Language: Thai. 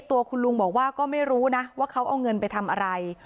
ตัวคุณลุงบอกว่าก็ไม่รู้นะว่าเขาเอาเงินไปทำอะไร